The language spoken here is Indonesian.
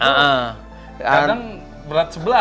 kadang berat sebelah